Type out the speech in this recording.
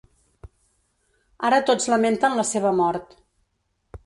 Ara tots lamenten la seva mort.